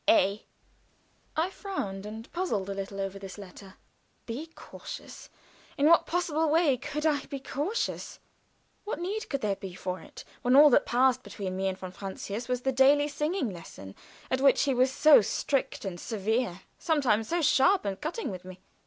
"A." I frowned and puzzled a little over this letter. Be cautious? In what possible way could I be cautious? What need could there be for it when all that passed between me and von Francius was the daily singing lesson at which he was so strict and severe, sometimes so sharp and cutting with me.